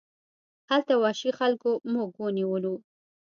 هلته وحشي خلکو موږ ونیولو.